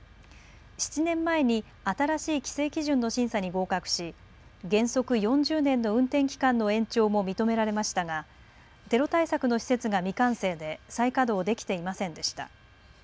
７年前に新しい規制基準の審査に合格し原則４０年の運転期間の延長も認められましたがテロ対策の施設が未完成で再稼働できていませんでした。